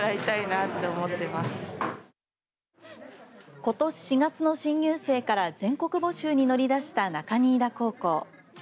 ことし４月の新入生から全国募集に乗り出した中新田高校。